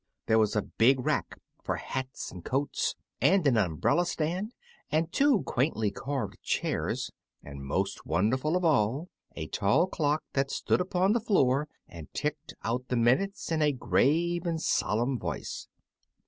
There was a big rack for hats and coats, and an umbrella stand, and two quaintly carved chairs, and, most wonderful of all, a tall clock that stood upon the floor and ticked out the minutes in a grave and solemn voice.